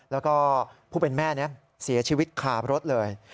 แล้วก็ผู้เป็นแม่นี้เสียชีวิตคารถเลย